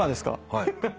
はい。